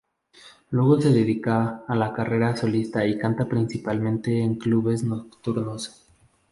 Luego se dedica a la carrera solista y canta principalmente en clubes nocturnos.